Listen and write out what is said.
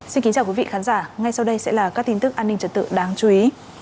xin kính chào quý vị khán giả ngay sau đây sẽ là các tin tức an ninh trật tự đáng chú ý